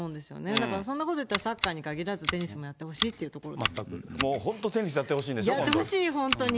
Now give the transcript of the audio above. だからそんなこと言ったら、サッカーに限らず、テニスもやってほもう本当、テニスやってほしやってほしい、本当に。